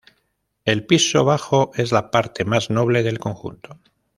El piso bajo es la parte más noble del conjunto.